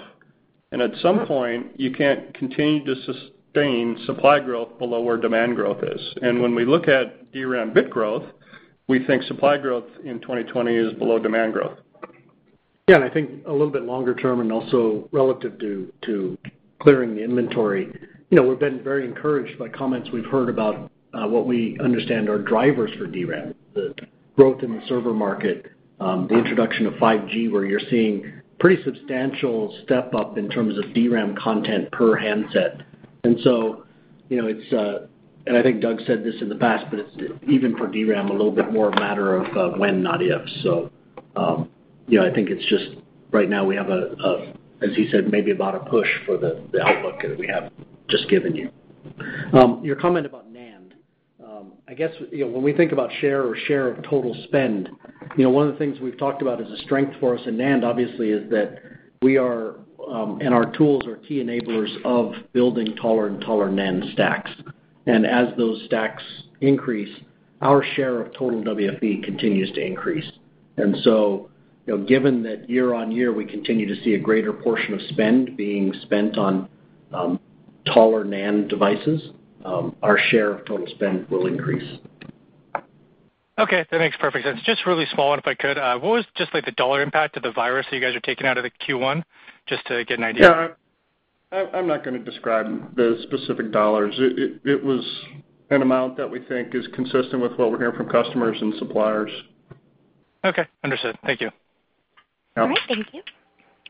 At some point, you can't continue to sustain supply growth below where demand growth is. When we look at DRAM bit growth, we think supply growth in 2020 is below demand growth. I think a little bit longer term, and also relative to clearing the inventory, we've been very encouraged by comments we've heard about what we understand are drivers for DRAM, the growth in the server market, the introduction of 5G, where you're seeing pretty substantial step-up in terms of DRAM content per handset. I think Doug said this in the past, but it's even for DRAM, a little bit more a matter of when, not if. I think it's just right now we have a, as he said, maybe about a push for the outlook that we have just given you. Your comment about NAND, I guess when we think about share or share of total spend, one of the things we've talked about as a strength for us in NAND, obviously, is that we are, and our tools are key enablers of building taller and taller NAND stacks. As those stacks increase, our share of total WFE continues to increase. Given that year on year, we continue to see a greater portion of spend being spent on taller NAND devices, our share of total spend will increase. Okay. That makes perfect sense. Just a really small one if I could. What was just like the dollar impact of the virus that you guys are taking out of the Q1, just to get an idea? Yeah. I'm not going to describe the specific dollars. It was an amount that we think is consistent with what we're hearing from customers and suppliers. Okay. Understood. Thank you. You're welcome. All right. Thank you.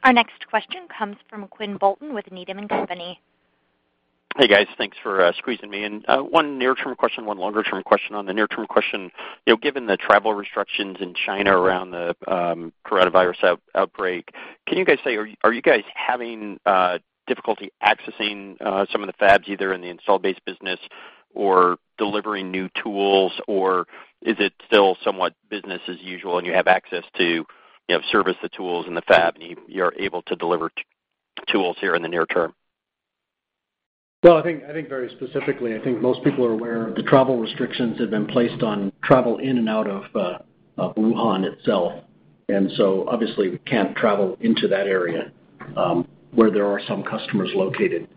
Our next question comes from Quinn Bolton with Needham & Company. Hey, guys. Thanks for squeezing me in. One near-term question, one longer-term question. On the near-term question, given the travel restrictions in China around the coronavirus outbreak, can you guys say, are you guys having difficulty accessing some of the fabs, either in the install-based business or delivering new tools, or is it still somewhat business as usual and you have access to service the tools in the fab, and you're able to deliver tools here in the near-term? I think very specifically, I think most people are aware the travel restrictions have been placed on travel in and out of Wuhan itself. Obviously we can't travel into that area, where there are some customers located.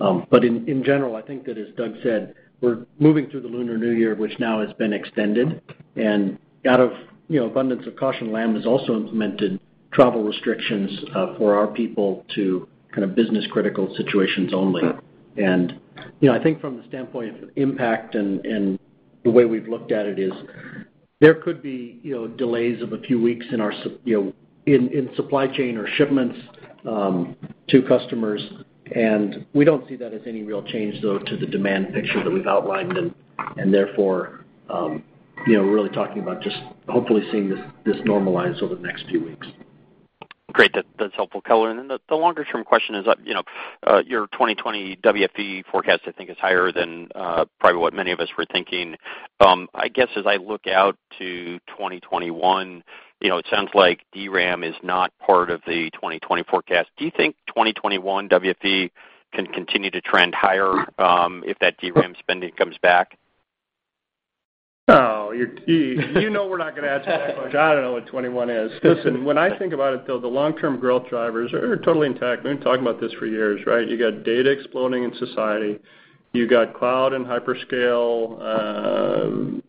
In general, I think that, as Doug said, we're moving through the Lunar New Year, which now has been extended, and out of abundance of caution, Lam has also implemented travel restrictions for our people to kind of business-critical situations only. I think from the standpoint of impact and the way we've looked at it is there could be delays of a few weeks in supply chain or shipments to customers, and we don't see that as any real change, though, to the demand picture that we've outlined, and therefore, we're really talking about just hopefully seeing this normalize over the next few weeks. Great. That's helpful color. The longer-term question is, your 2020 WFE forecast, I think, is higher than probably what many of us were thinking. I guess as I look out to 2021, it sounds like DRAM is not part of the 2020 forecast. Do you think 2021 WFE can continue to trend higher if that DRAM spending comes back? No. You know we're not going to answer that. I don't know what 2021 is. Listen, when I think about it, though, the long-term growth drivers are totally intact. We've been talking about this for years, right? You got data exploding in society. You got cloud and hyperscale,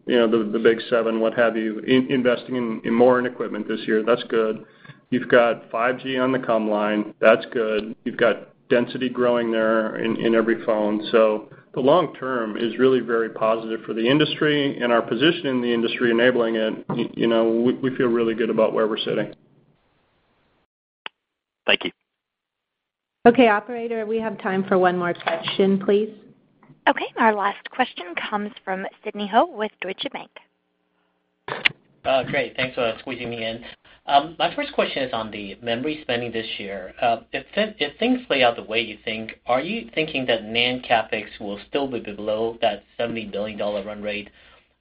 the Big 7, what have you, investing in more equipment this year. That's good. You've got 5G on the comm line. That's good. You've got density growing there in every phone. The long-term is really very positive for the industry, and our position in the industry enabling it, we feel really good about where we're sitting. Thank you. Okay, operator, we have time for one more question, please. Okay, our last question comes from Sidney Ho with Deutsche Bank. Great. Thanks for squeezing me in. My first question is on the memory spending this year. If things play out the way you think, are you thinking that NAND CapEx will still be below that $70 billion run rate?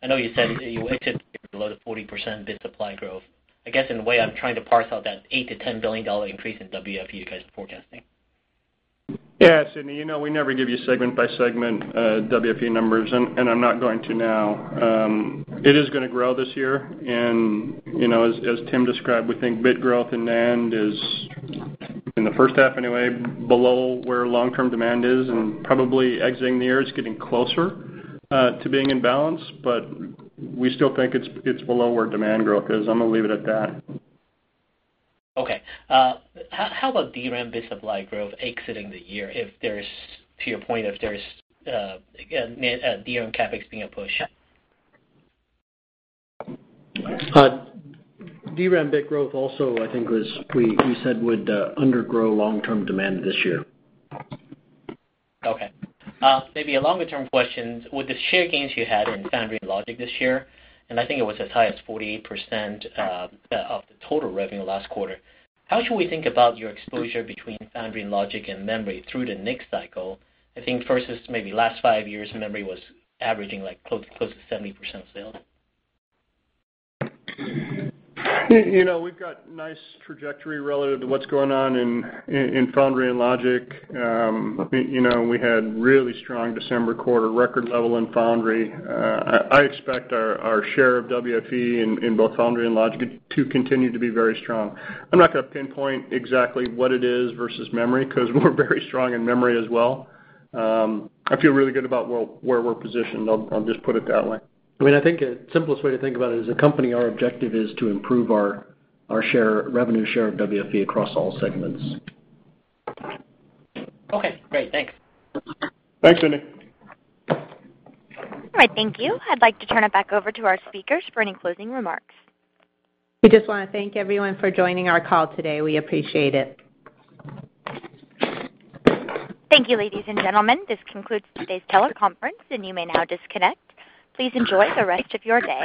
I know you said you waited below the 40% bit supply growth. I guess in a way I'm trying to parse out that $8 billion-$10 billion increase in WFE you guys are forecasting. Yeah, Sidney. We never give you segment-by-segment WFE numbers, and I'm not going to now. It is going to grow this year, and as Tim described, we think bit growth in NAND is, in the first half anyway, below where long-term demand is, and probably exiting the year, it's getting closer to being in balance, but we still think it's below where demand growth is. I'm going to leave it at that. Okay. How about DRAM bit supply growth exiting the year, to your point, if there is DRAM CapEx being pushed? DRAM bit growth also, I think, as we said, would undergrow long-term demand this year. Okay. Maybe a longer-term question. With the share gains you had in foundry and logic this year, and I think it was as high as 48% of the total revenue last quarter, how should we think about your exposure between foundry and logic and memory through the next cycle? I think versus maybe last five years, memory was averaging close to 70% of sales. We've got nice trajectory relative to what's going on in foundry and logic. We had a really strong December quarter, record level in foundry. I expect our share of WFE in both foundry and logic to continue to be very strong. I'm not going to pinpoint exactly what it is versus memory, because we're very strong in memory as well. I feel really good about where we're positioned, I'll just put it that way. I think the simplest way to think about it as a company, our objective is to improve our revenue share of WFE across all segments. Okay, great. Thanks. Thanks, Sidney. All right. Thank you. I'd like to turn it back over to our speakers for any closing remarks. We just want to thank everyone for joining our call today. We appreciate it. Thank you, ladies and gentlemen. This concludes today's teleconference, and you may now disconnect. Please enjoy the rest of your day.